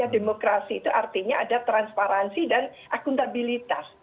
demokrasi itu artinya ada transparansi dan akuntabilitas